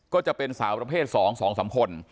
ก็จะเป็นสาวประเภท๒๒๓คน